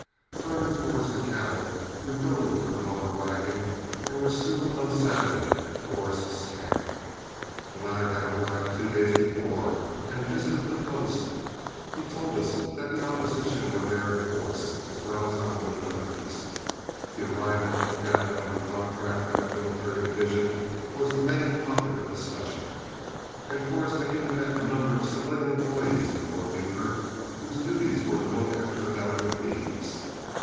Turning towards the cattle, we rode for the lower wagon and were soon unsaddling at Forrest's camp. The latter had arrived two days before and visited the post; he told us that the opposition were there in force, as well as our own attorneys. The arrival of the cattle under contract for that military division was the main topic of discussion, and Forrest had even met a number of civilian employees of Fort Buford whose duties were to look after the government beeves.